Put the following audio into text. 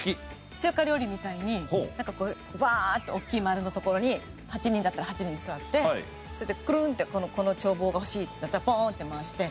中華料理みたいにバーッて大きい丸のところに８人だったら８人座ってそれでクルンッてこの帳簿が欲しいってなったらポーンって回して。